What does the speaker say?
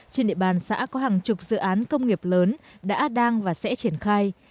trên địa bàn xã có hàng chục dự án công nghiệp lớn đã đang và sẽ triển khai